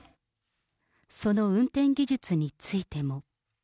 その運転技術についても。